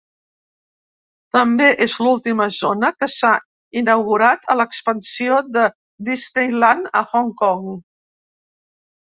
També és l'última zona que s'ha inaugurat a l'expansió de Disneyland a Hong Kong.